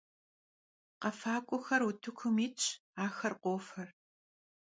Khefak'uexer vutıkum yitş, axer khofer.